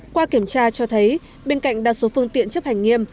qua kiểm tra cho thấy bên cạnh đa số phương tiện chấp hành nghiêm